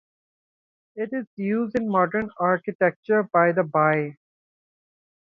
It is used in modern architecture by the Bai.